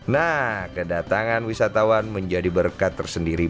nah kedatangan wisatawan menjadi berkat tersendiri